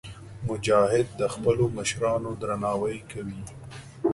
مجاهد د خپلو مشرانو درناوی کوي.